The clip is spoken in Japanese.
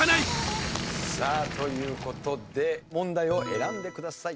さあという事で問題を選んでください。